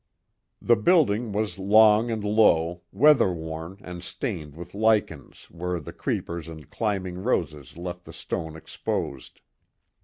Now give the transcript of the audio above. The building was long and low, weather worn and stained with lichens where the creepers and climbing roses left the stone exposed.